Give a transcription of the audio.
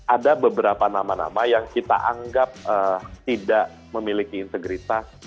ada beberapa nama nama yang kita anggap tidak memiliki integritas